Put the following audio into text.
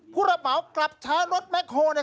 ผู้รับเหมากลับชานถแมคโฮ